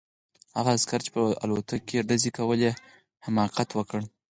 هغه عسکر چې په الوتکو یې ډزې کولې حماقت وکړ